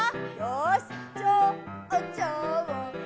よし！